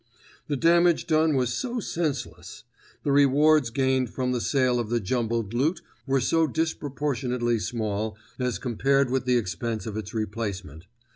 The damage done was so senseless. The rewards gained from the sale of the jumbled loot were so disproportionately small as compared with the expense of its replacement.